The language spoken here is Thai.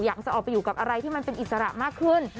อยากจะออกไปอยู่กับอะไรที่มันเป็นอิสระมากขึ้น